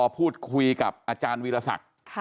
พูดคุยกับอาจารย์วีรศักดิ์